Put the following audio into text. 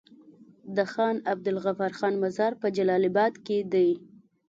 د خان عبدالغفار خان مزار په جلال اباد کی دی